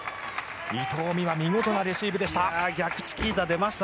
伊藤美誠見事なレシーブでした。